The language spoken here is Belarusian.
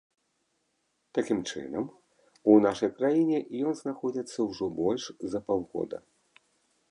Такім чынам, у нашай краіне ён знаходзіцца ўжо больш за паўгода.